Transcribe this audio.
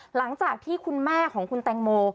หลังจากที่คุณแม่ของคุณแตงโม